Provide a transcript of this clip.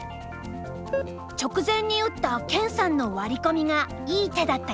直前に打った研さんのワリコミがいい手だったよ。